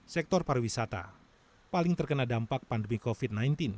sektor pariwisata paling terkena dampak pandemi covid sembilan belas